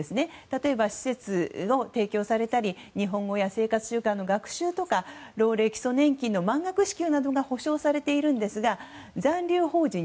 例えば施設を提供されたり日本語や生活習慣の学習とか老齢基礎年金の満額支給などが保証されているんですが残留邦人